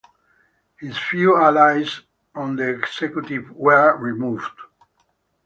His few allies on the executive were removed.